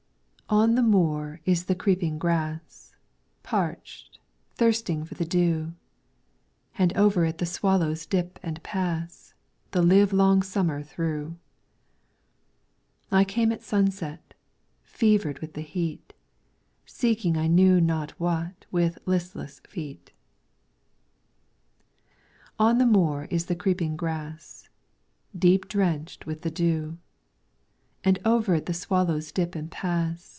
On the moor is the creeping grass, Parched, thirsting for the dew, And over it the swallows dip and pass. The live long summer through. I came at sunset, fevered with the heat. Seeking I knew not what with listless feet. On the moor is the creeping grass, Deep drenched with the dew. And over it the swallows dip and pass.